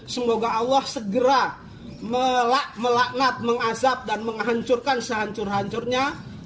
semoga allah segera melaknat mengazab dan menghancurkan sehancur hancurnya